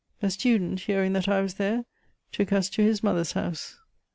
A student, hearing that I was there, took us to his mother's house.